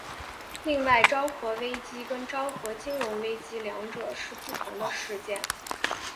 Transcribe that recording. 另外昭和危机跟昭和金融危机两者是不同的事件。